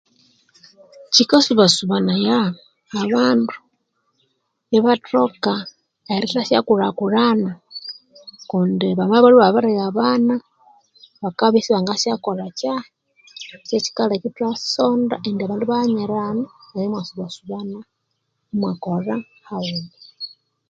Kyikasubasubanaya abandu ibathoka erithasyakulhakulhana, kundi bamabya balhwe ibabiri ghabana bakabya isibangathasyakolha kyahi kyekyikaleka ithwasonda indi abandu ibaghanyirana neryo imwasubasubana imwakolha haghuma.